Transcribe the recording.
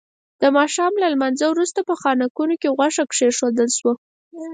د ماښام له لمانځه وروسته په خانکونو کې غوښه کېښودل شوه.